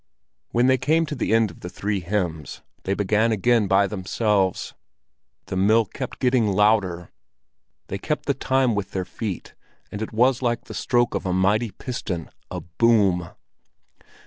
When they came to the end of the three hymns, they began again by themselves. The mill kept getting louder, they kept the time with their feet, and it was like the stroke of a mighty piston, a boom!